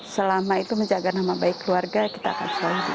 selama itu menjaga nama baik keluarga kita akan selalu